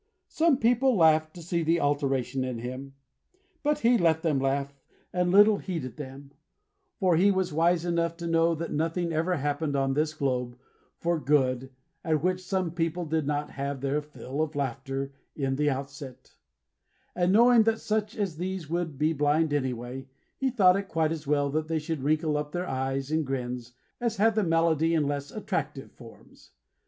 Some people laughed to see the alteration in him, but he let them laugh, and little heeded them; for he was wise enough to know that nothing ever happened on this globe, for good, at which some people did not have their fill of laughter in the outset; and knowing that such as these would be blind anyway, he thought it quite as well that they should wrinkle up their eyes in grins, as have the malady in less attractive forms.